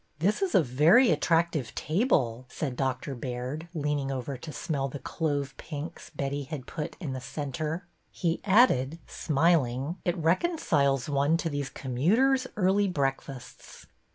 This is a very attractive table,'' said Dr. Baird, leaning over to smell the clove pinks Betty had put in the centre. He added, smiling. It reconciles one to these commuter's early breakfasts."